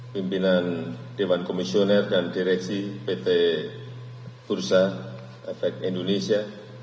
pimpinan dewan komisioner dan direksi pt bursa efek indonesia